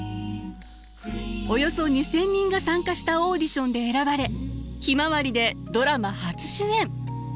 およそ２，０００人が参加したオーディションで選ばれ「ひまわり」でドラマ初主演。